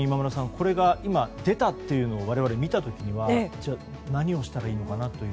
これが今出たというのを我々が見た時には何をしたらいいのかなという。